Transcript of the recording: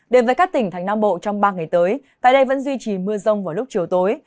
đến với các tỉnh thành nam bộ trong ba ngày tới tại đây vẫn duy trì mưa rông vào lúc chiều tối